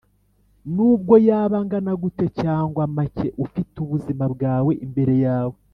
nubwo yaba angana gute cyangwa make, ufite ubuzima bwawe imbere yawe.